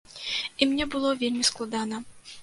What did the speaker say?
І мне было вельмі складана.